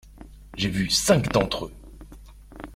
J’ai vu cinq d’entre eux.